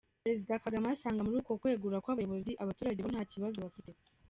Perezida Kagame asanga muri uku kwegura kw’abayobozi, abaturage bo nta kibazo bafite.